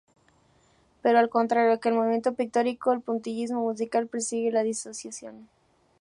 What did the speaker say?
Pero, al contrario que el movimiento pictórico, el puntillismo musical persigue la disociación.